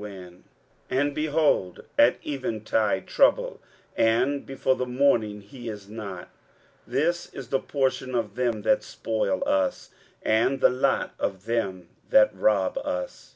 23:017:014 And behold at eveningtide trouble; and before the morning he is not. This is the portion of them that spoil us, and the lot of them that rob us.